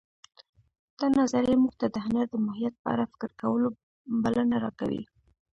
دا نظریه موږ ته د هنر د ماهیت په اړه فکر کولو بلنه راکوي